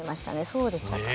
そうでしたか。